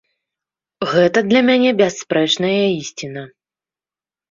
Гэта для мяне бясспрэчная ісціна.